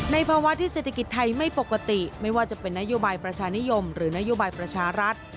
ภาวะที่เศรษฐกิจไทยไม่ปกติไม่ว่าจะเป็นนโยบายประชานิยมหรือนโยบายประชารัฐ